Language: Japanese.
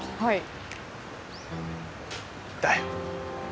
はい。